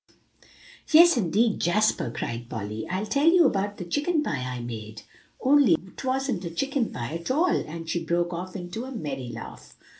"Yes, indeed, Jasper," cried Polly; "I'll tell about the chicken pie I made; only 'twasn't a chicken pie at all," and she broke off into a merry laugh.